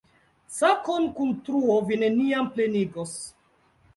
Sakon kun truo vi neniam plenigos.